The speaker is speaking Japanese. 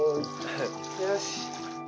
よし。